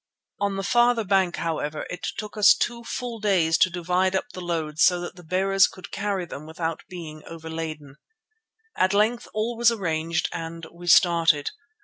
On the farther bank, however, it took us two full days so to divide up the loads that the bearers could carry them without being overladen. At length all was arranged and we started.